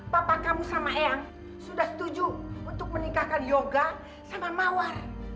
papa kamu sama eyang sudah setuju untuk menikahkan yoga sama mawar